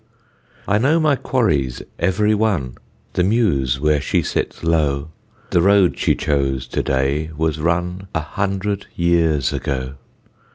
I know my quarries every one, The meuse where she sits low; The road she chose to day was run A hundred years ago.